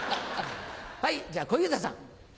じゃあ小遊三さん。